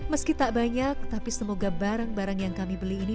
meski tak banyak tapi semoga barang barang yang kami beli ini